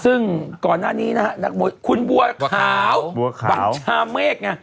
ซึ่งก่อนหน้านี้นะคุณบัวขาวพักชาเมฆ